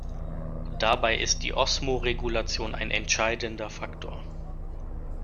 Dabei ist die Osmoregulation ein entscheidender Faktor.